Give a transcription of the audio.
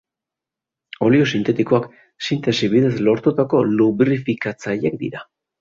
Olio sintetikoak sintesi bidez lortutako lubrifikatzaileak dira.